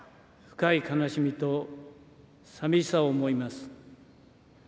深い悲しみとさみしさを思います。